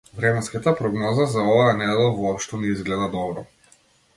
Временската прогноза за оваа недела воопшто не изгледа добро.